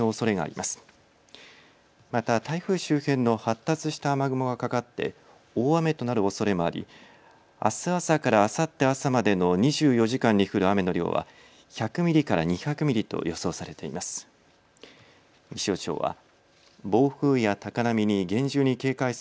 また台風周辺の発達した雨雲がかかって大雨となるおそれもありあす朝からあさって朝までの２４時間に降る雨の量は１００ミリから２００ミリと予想されています。